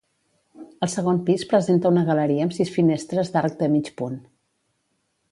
El segon pis presenta una galeria amb sis finestres d'arc de mig punt.